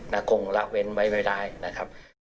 คงละเว้นไว้ไม่ได้นะครับ